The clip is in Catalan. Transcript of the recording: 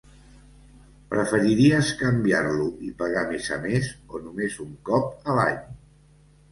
Preferiries canviar-lo i pagar mes a mes o només un cop a l'any?